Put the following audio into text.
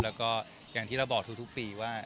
แล้วก็อย่างที่เราบอกทุกปีว่า